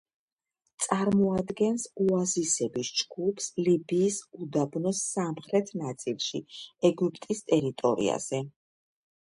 წარმოადგენს ოაზისების ჯგუფს ლიბიის უდაბნოს სამხრეთ ნაწილში, ეგვიპტის ტერიტორიაზე.